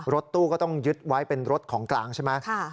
รถตู้ก็ต้องยึดไว้เป็นรถของกลางใช่ไหม